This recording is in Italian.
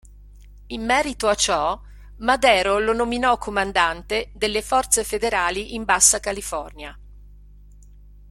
In merito a ciò, Madero lo nominò comandante delle forze federali in Bassa California.